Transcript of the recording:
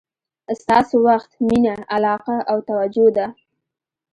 ستاسو وخت، مینه، علاقه او توجه ده.